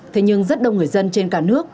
thế nhưng rất đông người dân trên cả nước